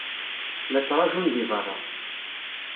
La ttṛajun deg beṛṛa.